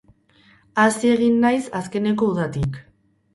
Hazi egin naiz azkeneko udatik.